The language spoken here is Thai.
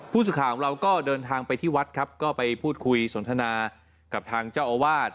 ผู้สื่อข่าวของเราก็เดินทางไปที่วัดครับก็ไปพูดคุยสนทนากับทางเจ้าอาวาส